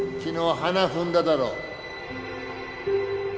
花ふんだだろう。